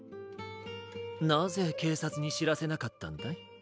なぜけいさつにしらせなかったんだい？